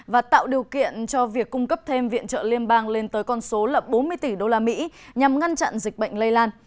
và tạo điều kiện cho việc cung cấp thêm viện trợ liên bang lên tới con số là bốn mươi tỷ usd nhằm ngăn chặn dịch bệnh lây lan